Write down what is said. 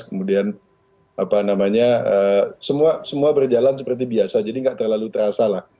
kemudian apa namanya semua berjalan seperti biasa jadi nggak terlalu terasa lah